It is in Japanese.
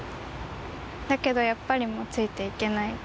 だけどやっぱりもうついていけない。